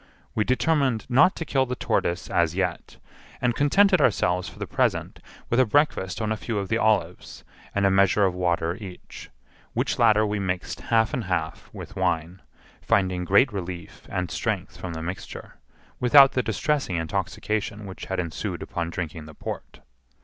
We determined not to kill the tortoise as yet, and contented ourselves for the present with a breakfast on a few of the olives, and a measure of water each, which latter we mixed half and half, with wine, finding great relief and strength from the mixture, without the distressing intoxication which had ensued upon drinking the port.